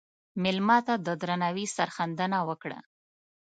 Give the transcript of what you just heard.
مېلمه ته د درناوي سرښندنه وکړه.